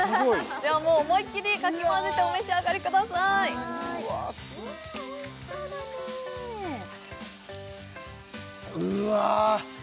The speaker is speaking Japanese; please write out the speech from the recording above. ではもう思いっきりかき混ぜてお召し上がりくださいうわおいしそうだねうわ